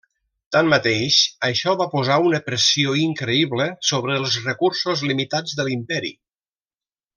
Tanmateix, això va posar una pressió increïble sobre els recursos limitats de l'Imperi.